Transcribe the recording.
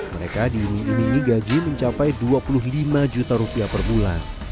mereka diiming imingi gaji mencapai dua puluh lima juta rupiah per bulan